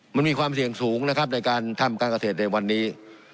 มันมีความเสี่ยงสูงนะครับในการทำการเกษตรในวันนี้